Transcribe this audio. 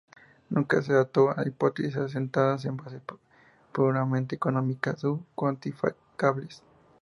Nunca se ató a hipótesis asentadas en bases puramente económicas o cuantificables.